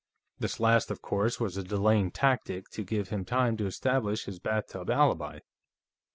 This last, of course, was a delaying tactic, to give him time to establish his bathtub alibi."